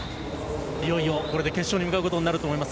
いよいよ、これで決勝に向かうことになると思います。